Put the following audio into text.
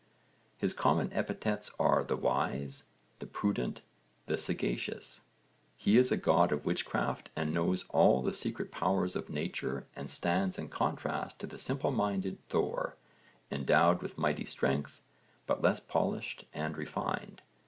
His common epithets are 'the wise,' 'the prudent,' 'the sagacious'; he is a god of witchcraft and knows all the secret powers of nature and stands in contrast to the simple minded Thor, endowed with mighty strength, but less polished and refined.